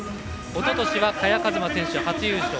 おととしは萱和磨選手、初優勝。